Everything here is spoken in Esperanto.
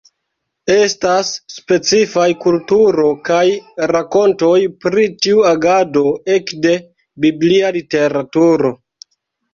Estas specifaj kulturo kaj rakontoj pri tiu agado ekde biblia literaturo.